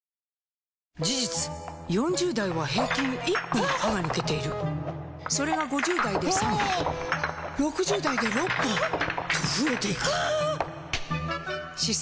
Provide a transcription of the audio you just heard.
事実４０代は平均１本歯が抜けているそれが５０代で３本６０代で６本と増えていく歯槽